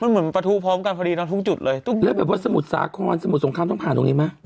มันเหมือนประทู้พร้อมกันพอดีเนาะทุกจุดเลยแล้วแบบว่าสมุทรสาครสมุทรสงครามต้องผ่านตรงนี้ไหม